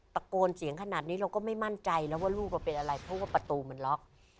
ตะโกนเสียงขนาดนี้เราก็ไม่มั่นใจแล้วว่าลูกเราเป็นอะไรเพราะว่าประตูมันล็อก